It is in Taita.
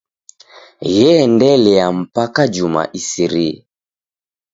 Gheendelia mpaka juma isirie.